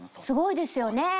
すごいですよね。